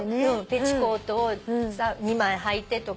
ペチコートを２枚はいてとか。